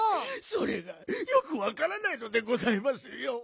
それがよくわからないのでございますよ。